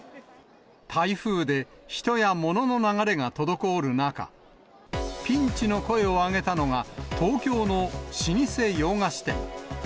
台風で人やものの流れが滞る中、ピンチの声を上げたのが、東京の老舗洋菓子店。